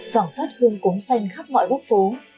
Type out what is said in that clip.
vòng phát hương cống xanh khắp mọi gốc phố